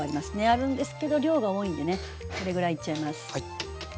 あるんですけど量が多いんでねこれぐらいいっちゃいます。